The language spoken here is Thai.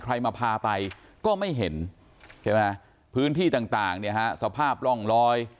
ใครมาพาไปก็ไม่เห็นพื้นที่ต่างสภาพร่องลอย